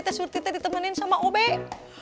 mas urtite ditemenin sama obet